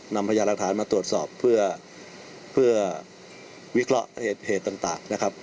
พยายามหลักฐานมาตรวจสอบเพื่อวิเคราะห์เหตุต่างนะครับ